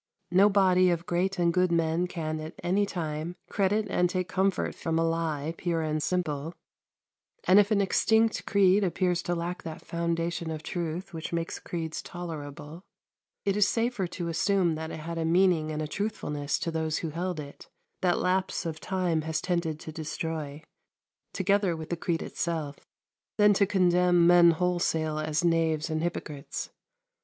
No body of great and good men can at any time credit and take comfort from a lie pure and simple; and if an extinct creed appears to lack that foundation of truth which makes creeds tolerable, it is safer to assume that it had a meaning and a truthfulness, to those who held it, that lapse of time has tended to destroy, together with the creed itself, than to condemn men wholesale as knaves and hypocrites.